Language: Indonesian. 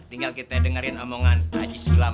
tinggal kita dengerin omongan aji sulam